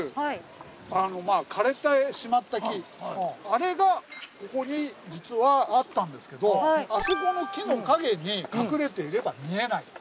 あれがここに実はあったんですけどあそこの木の陰に隠れていれば見えないと。